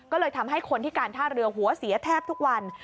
ก็เลยทำให้คนที่การท่าเรือหัวเสียแทบทุกวัน